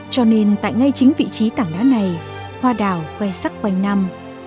cho nên tại ngay chính vị trí tảng đá này hoa đào khoe sắc quanh năm